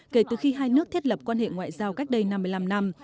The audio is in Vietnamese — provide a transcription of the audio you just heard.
kể từ khi hai nước thiết lập quan hệ ngoại giao cách đây năm mươi năm năm